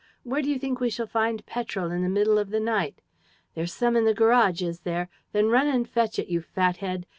... Where do you think we shall find petrol in the middle of the night? There's some in the garage, is there? Then run and fetch it, you fat head!